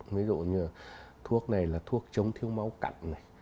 ví dụ như thuốc này là thuốc chống thiếu máu cặn này